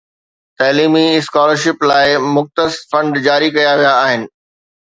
تعليمي scholarship لاءِ مختص فنڊ جاري ڪيا ويا آهن.